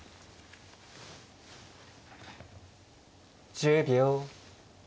１０秒。